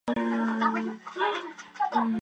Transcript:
中世纪初期德语这个词首次出现。